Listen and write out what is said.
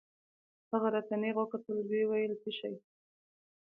هغه راته نېغ وکتل ويې ويل څه شى.